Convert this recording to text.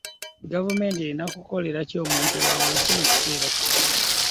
Gavumenti erina kukolera ki omuntu wawansi mu kino ekiseera?